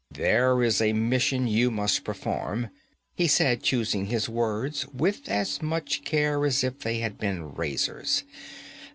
'There is a mission you must perform,' he said, choosing his words with as much care as if they had been razors.